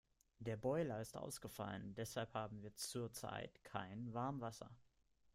Der Boiler ist ausgefallen, deshalb haben wir zurzeit kein Warmwasser.